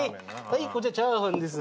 こちらチャーハンです。